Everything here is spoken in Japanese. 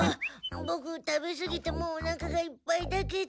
ボク食べすぎてもうおなかがいっぱいだけど。